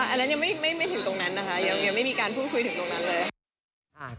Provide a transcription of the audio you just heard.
อันนั้นยังไม่ถึงตรงนั้นนะคะยังไม่มีการพูดคุยถึงตรงนั้นเลยค่ะ